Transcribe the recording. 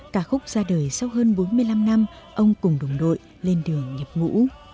cả khúc ra đời sau hơn bốn mươi năm năm ông cùng đồng đội lên đường nhập ngũ